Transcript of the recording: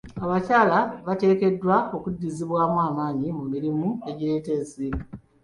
Abakyala bateekeddwa okuddizibwamu amaanyi mu mirimu egireeta ensimbi.